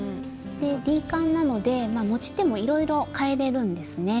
Ｄカンなので持ち手もいろいろかえれるんですね。